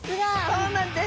そうなんです。